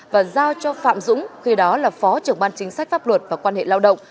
và giao cho phạm dũng khi đó là phó trưởng ban chính sách pháp luật và quan hệ lao động